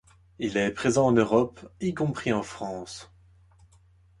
Il est présent en Europe, y compris en France.